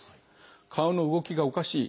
顔の動きがおかしい